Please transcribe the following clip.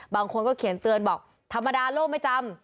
บางคนก็เขียนเตือนบอกธรรมดาโลกไม่จำ